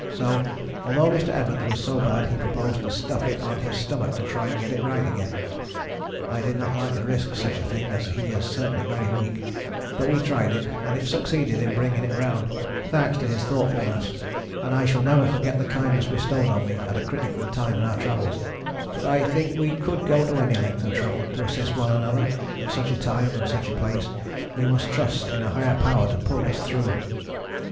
So although Mr. Evans was so bad he proposed to stuff it on his stomach to try and get it right again. I did not like to risk such a thing as he is certainly very weak, but we tried it, and it succeeded in bringing it round, thanks to his thoughtfulness, and I shall never forget the kindness bestowed on me at a critical time in our travels, but I think we could go to any length of trouble to assist one another; in such time and such a place we must trust in a higher power to pull us through.